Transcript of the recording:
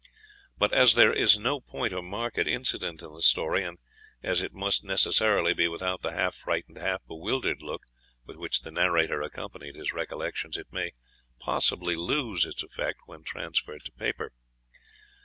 But as there is no point or marked incident in the story, and as it must necessarily be without the half frightened, half bewildered look with which the narrator accompanied his recollections, it may possibly lose, its effect when transferred to paper.